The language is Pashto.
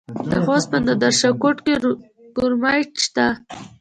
د خوست په نادر شاه کوټ کې کرومایټ شته.